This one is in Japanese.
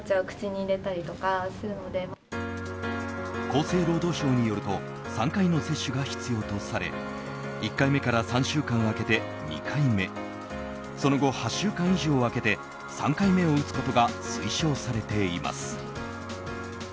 厚生労働省によると３回の接種が必要とされ１回目から３週間空けて２回目その後、８週間以上空けて３回目を打つことが推奨されています。